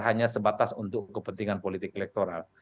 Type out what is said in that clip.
hanya sebatas untuk kepentingan politik elektoral